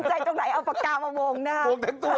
ไม่จริงใจตรงไหนเอาฟักกามาวงนะครับ